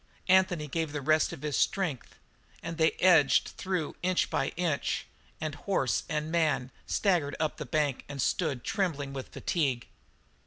Anthony gave the rest of his strength, and they edged through, inch by inch, and horse and man staggered up the bank and stood trembling with fatigue.